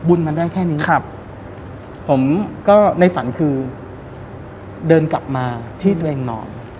บุญมันได้แค่นี้ครับผมก็ในฝันคือเดินกลับมาที่ตัวเองนอน